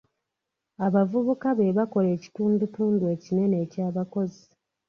Abavubuka be bakola ekitundutundu ekinene eky'abakozi.